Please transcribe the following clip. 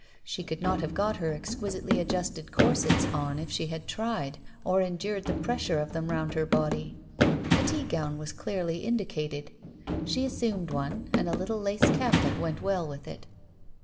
She could not have got her exquisitely adjusted corsets on if she had tried, or endured the pressure of them round her body. A tea gown was clearly indicated. She assumed one, and a little lace cap that went well with it.